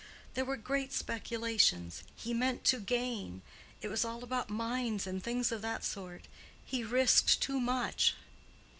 There were great speculations: he meant to gain. It was all about mines and things of that sort. He risked too much."